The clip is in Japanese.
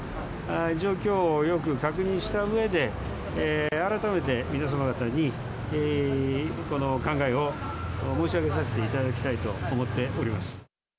状況をよく確認したうえで、改めて皆様方にこの考えを申し上げさせていただきたいと思っております。